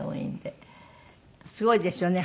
すごいですよね。